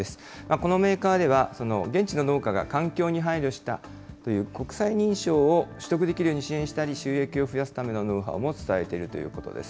このメーカーでは、現地の農家が環境に配慮したという国際認証を取得できるように支援したり、収益を増やすためのノウハウも伝えているということです。